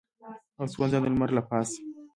او سوځنده لمر له پاسه.